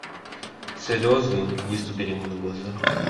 Слезы выступили ему на глаза.